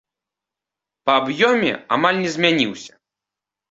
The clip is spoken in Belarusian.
Па аб'ёме амаль не змяніўся.